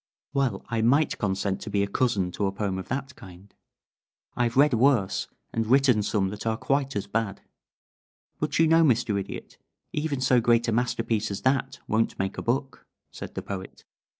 "Well, I might consent to be a cousin to a poem of that kind. I've read worse and written some that are quite as bad. But you know, Mr. Idiot, even so great a masterpiece as that won't make a book," said the Poet.